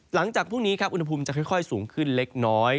หลังจากพรุ่งนี้ครับอุณหภูมิจะค่อยสูงขึ้นเล็กน้อย